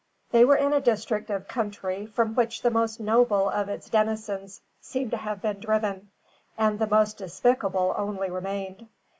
They were in a district of country from which the most noble of its denizens seemed to have been driven, and the most despicable only remained.